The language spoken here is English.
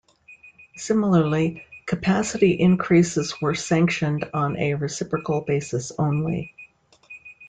Similarly, capacity increases were sanctioned on a reciprocal basis only.